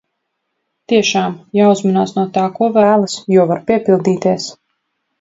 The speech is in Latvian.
Tiešām, jāuzmanās no tā, ko vēlas, jo var piepildīties.